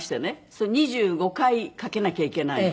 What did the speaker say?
それ２５回かけなきゃいけないの。